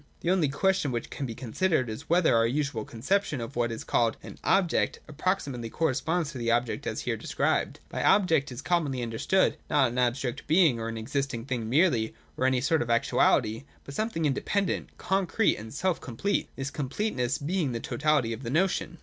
The only question which can be considered is, whether our usual conception of what is called an 'object' approximately corresponds to the object as here described. By 'object' is commonly understood not an abstract being, or an existing thing merely, or any sort of actuality, but something independent, con crete, and self complete, this completeness being the totality of the notion.